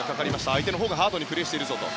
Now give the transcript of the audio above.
相手のほうがハードにプレーしているぞと。